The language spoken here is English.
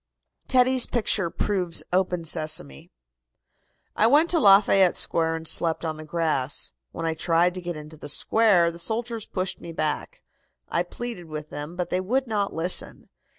TEDDY'S PICTURE PROVES "OPEN SESAME." "I went to Lafayette Square and slept on the grass. When I tried to get into the square the soldiers pushed me back. I pleaded with them, but they would not listen.